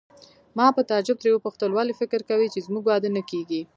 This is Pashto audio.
ما په تعجب ترې وپوښتل: ولې فکر کوې چې زموږ واده نه کیږي؟